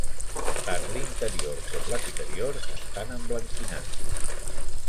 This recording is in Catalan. Tant l'interior com l'exterior estan emblanquinats.